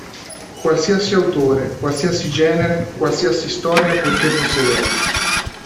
Qualsiasi autore, qualsiasi genere, qualsiasi storia purché fosse bella.